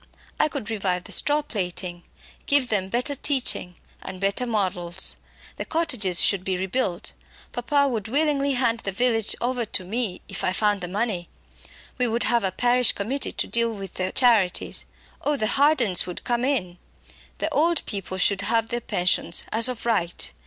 "I could revive the straw plaiting; give them better teaching and better models. The cottages should be rebuilt. Papa would willingly hand the village over to me if I found the money! We would have a parish committee to deal with the charities oh! the Hardens would come in. The old people should have their pensions as of right.